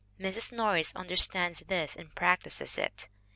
Mrs. Norris understands this and practices it.